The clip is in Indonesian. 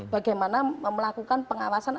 bagaimana melakukan pengawasan